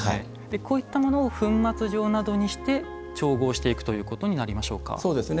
こういったものを粉末状にして調合していくことになりますか。